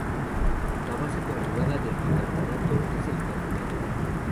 La base conjugada del bicarbonato es el carbonato.